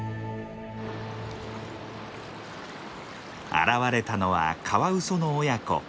現れたのはカワウソの親子。